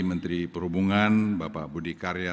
menteri perhubungan bapak budi karya